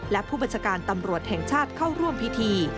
และผู้บัญชาการตำรวจแห่งชาติเข้าร่วมพิธี